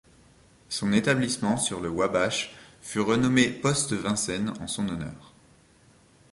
Son établissement sur le Wabash fut renommé Poste Vincennes en son honneur.